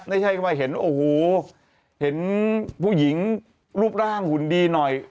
ไม่ใช่ว่าเห็นโอ้โหเห็นผู้หญิงรูปร่างหุ่นดีหน่อย